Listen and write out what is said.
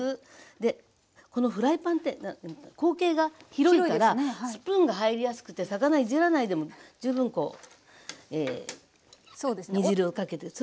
でこのフライパンって口径が広いからスプーンが入りやすくて魚いじらないでも十分こう煮汁をかけていけます。